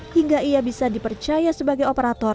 hingga ia bisa dipercaya sebagai operator